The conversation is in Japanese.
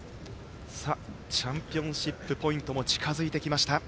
チャンピオンシップポイントも近づいてきました。